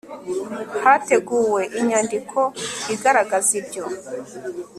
hateguwe inyandiko igaragaza ibyo